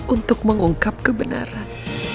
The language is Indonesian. untuk mengungkap kebenaran